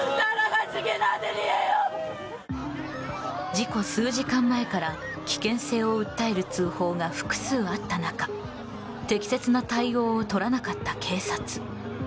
事故数時間前から危険性を訴える通報が複数あった中、適切な対応をとらなかった警察。